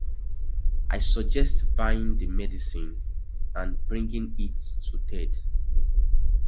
I suggested buying the medicine and bringing it to Ted.